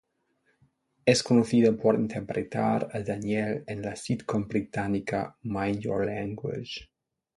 Es conocida por interpretar a Danielle en la sitcom británica "Mind Your Language".